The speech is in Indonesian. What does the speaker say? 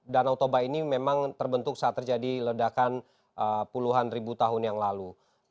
danau toba ini memang terbentuk saat terjadi ledakan puluhan ribu tahun yang lalu